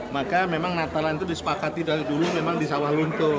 maka memang natalan itu disepakati dari dulu memang di sawah lunto